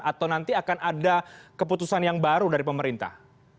atau nanti akan ada keputusan yang baru dari pemerintah